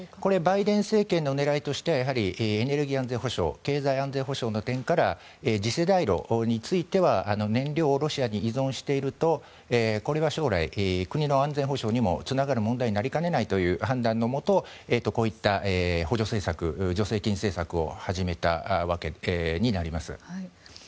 バイデン政権の狙いとしてはやはりエネルギー安全保障経済安全保障の点から次世代炉については燃料をロシアに依存しているとこれは将来、国の安全保障にもつながる問題になりかねないという判断のもとこういった助成金政策を始めたわけになります。